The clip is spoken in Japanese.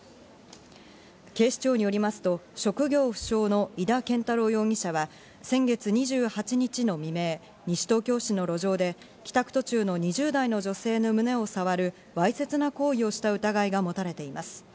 警視庁によりますと、職業不詳の井田兼太郎容疑者は、先月２８日の未明、西東京市の路上で帰宅途中の２０代の女性の胸を触るわいせつな行為をした疑いが持たれています。